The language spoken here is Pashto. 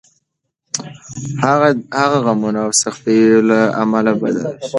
هغه د غمونو او سختیو له امله بدله شوه.